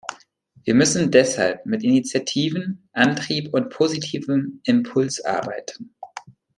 Wir müssen deshalb mit Initiativen, Antrieb und positivem Impuls arbeiten.